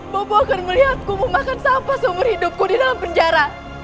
bapak akan melihatku memakan sampah seumur hidupku di dalam penjara